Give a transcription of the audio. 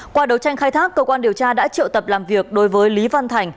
qua đấu tranh khai thác cơ quan điều tra đã triệu tập làm việc đối với lý văn thành